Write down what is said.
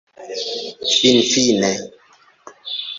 finfine